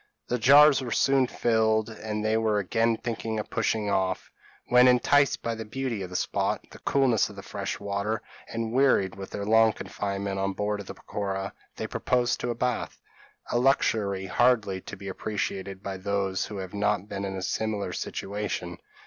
The jars were soon filled, and they were again thinking of pushing off; when, enticed by the beauty of the spot, the coolness of the fresh water, and wearied with their long confinement on board of the peroqua, they proposed to bathe a luxury hardly to be appreciated by those who have not been in a similar situation.